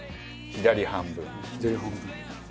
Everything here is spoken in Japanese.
左半分。